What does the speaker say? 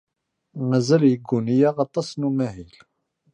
Mazal yegguni-aneɣ aṭas n umahil.